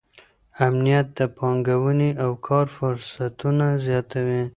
امنیت د پانګونې او کار فرصتونه زیاتوي.